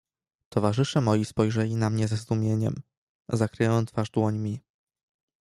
"Towarzysze moi spojrzeli na mnie ze zdumieniem; zakryłem twarz dłońmi."